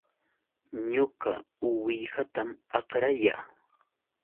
Ñuqa uwihatam akrayaa